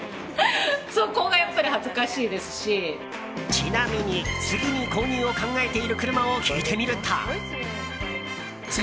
ちなみに次に購入を考えている車を聞いてみると。